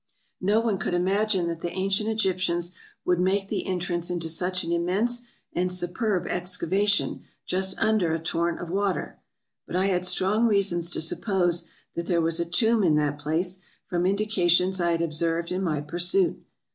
No one could imagine that the ancient Egyptians would make the entrance into such an immense and superb excavation just under a torrent of water ; but I had strong reasons to suppose that there was a tomb in that place, from indications I had observed in my pursuit.